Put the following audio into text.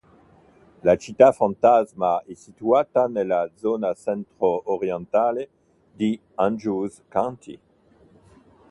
La città fantasma è situata nella zona centro orientale di Andrews County.